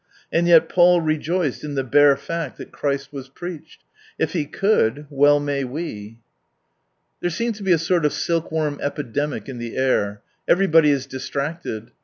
And yet Paul rejoiced in the bare fact that Christ was preached. If he could, well may we. ... There seems to be a sort of silk worm epidemic in the air — everybody is distracted.